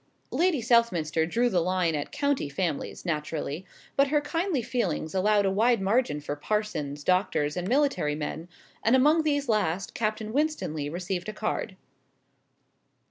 Lady Southminster drew the line at county families, naturally, but her kindly feelings allowed a wide margin for parsons, doctors, and military men and among these last Captain Winstanley received a card.